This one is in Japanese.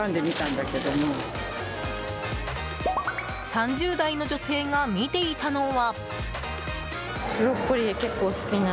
３０代の女性が見ていたのは。